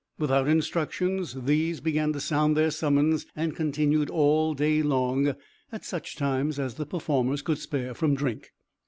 Without instructions, these began to sound their summons and continued all day long, at such times as the performers could spare from drink.